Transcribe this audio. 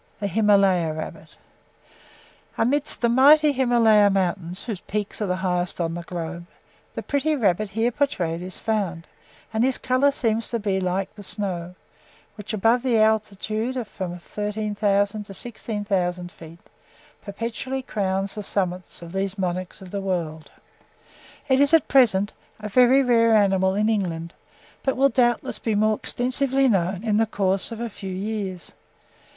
[Illustration: HIMALAYA RABBITS.] THE HIMALAYA RABBIT. Amidst the mighty Himalaya mountains, whose peaks are the highest on the globe, the pretty rabbit here portrayed is found; and his colour seems to be like the snow, which, above the altitude of from 13,000 to 16,000 feet, perpetually crowns the summits of these monarchs of the world. It is, at present, a very rare animal in England, but will, doubtless, be more extensively known in the course of a few years.